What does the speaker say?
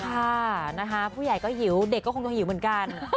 ค่ะนะคะผู้ใหญ่ก็หิวเด็กก็คงต้องหิวเหมือนกัน